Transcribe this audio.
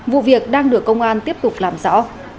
vụ việc đang được công an tiếp tục làm rõ